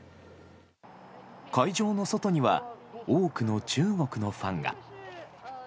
会場の外には多くの中国のファンが。